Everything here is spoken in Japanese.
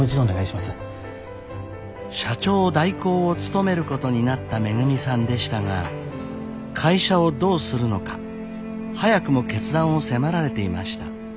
社長代行を務めることになっためぐみさんでしたが会社をどうするのか早くも決断を迫られていました。